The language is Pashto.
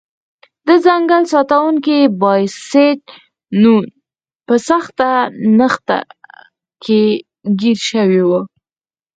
د ځنګل ساتونکی بابټیست نون په سخته نښته کې ګیر شوی و.